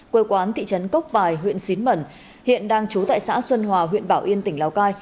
quê quán thị trấn cốc bài huyện xín mẩn hiện đang trú tại xã xuân hòa huyện bảo yên tỉnh lào cai